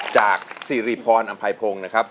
จากซีรีส์พรอัมพัยพงธ์นะครับ